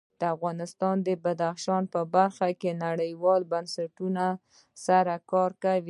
افغانستان د بدخشان په برخه کې نړیوالو بنسټونو سره کار کوي.